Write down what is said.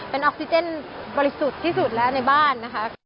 เป็นออกซิเจนบริสุทธิ์ที่สุดแล้วในบ้านนะคะ